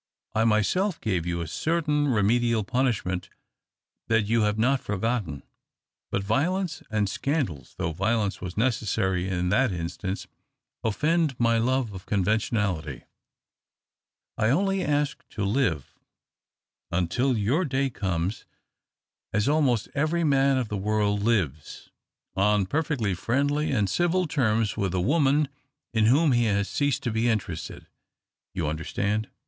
I myself gave you a certain remedial punish ment that you have not forgotten. But violence and scandals, though the violence was necessary in that instance, off"end my love of conventionality. I only ask to live (until your day comes) as almost every man of the world lives — on perfectly friendly and civil terms wdth a woman in whom he has ceased to be interested. You understand ?